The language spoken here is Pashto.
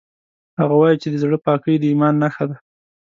هغه وایي چې د زړه پاکۍ د ایمان نښه ده